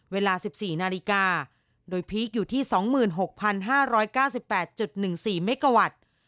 เวลา๑๔นาฬิกาโดยพีคอยู่ที่๒๖๕๙๘๑๔เมกาวัตต์